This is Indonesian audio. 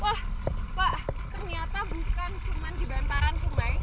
wah pak ternyata bukan cuma di bantaran sungai